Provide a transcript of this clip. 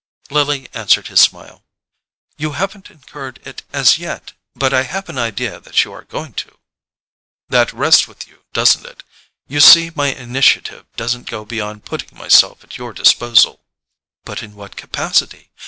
Lily answered his smile. "You haven't incurred it as yet; but I have an idea that you are going to." "That rests with you, doesn't it? You see my initiative doesn't go beyond putting myself at your disposal." "But in what capacity?